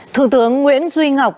thượng tướng nguyễn duy ngọc